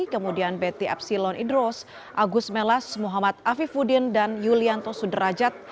kemudian betty epsilon idros agus melas muhammad afifudin dan yulianto sudrajat